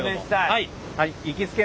はい。